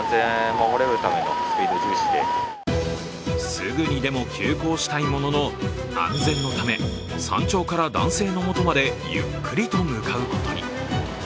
すぐにでも急行したいものの安全のため山頂から男性の元までゆっくりと向かうことに。